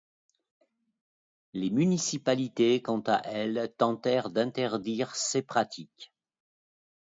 Les municipalités, quant à elles, tentèrent d’interdire ces pratiques.